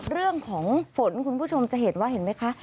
เรื่องของฝนคุณผู้ชมจะเห็นว่าเห็นไหมคะ